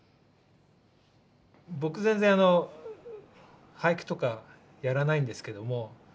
僕全然俳句とかやらないんですけども